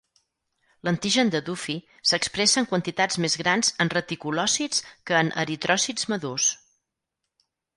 L'antigen de Duffy s'expressa en quantitats més grans en reticulòcits que en eritròcits madurs.